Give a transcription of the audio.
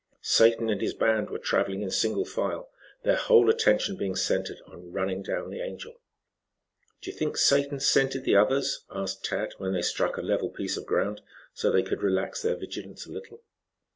Satan and his band were traveling in single file, their whole attention being centered on running down the Angel. "Do you think Satan scented the others?" asked Tad, when they struck a level piece of ground so that they could relax their vigilance a little.